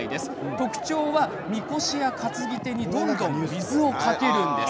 特徴はみこしや担ぎ手にどんどん水をかけるんです。